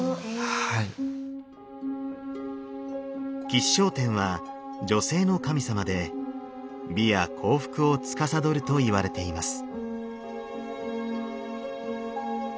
吉祥天は女性の神様で美や幸福をつかさどるといわれています。